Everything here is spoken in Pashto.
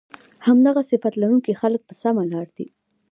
همدغه صفت لرونکي خلک په سمه لار دي